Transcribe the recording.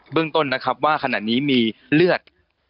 เรื่องต้นนะครับว่าขณะนี้มีเลือด